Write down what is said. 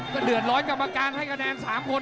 ก็เดือดร้อนกรรมการให้คะแนน๓คน